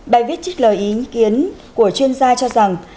bài viết trích lời ý kiến của chuyên gia cho rằng